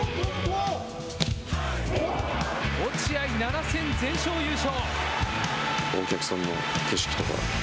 落合、７戦全勝優勝。